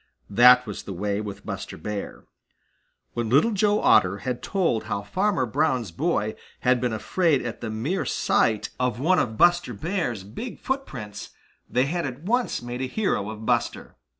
That was the way with Buster Bear. When Little Joe Otter had told how Farmer Brown's boy had been afraid at the mere sight of one of Buster Bear's big footprints, they had at once made a hero of Buster.